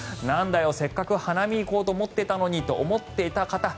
なんだよせっかく花見行こうと思っていたのにと思っていた方